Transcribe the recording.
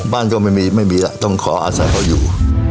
บ้านก็ไม่มีไม่มีแล้วต้องขออาศัยเขาอยู่